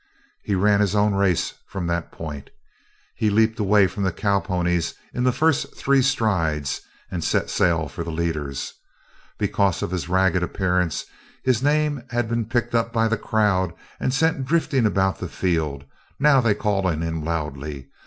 He ran his own race from that point. He leaped away from the cowponies in the first three strides and set sail for the leaders. Because of his ragged appearance his name had been picked up by the crowd and sent drifting about the field; now they called on him loudly.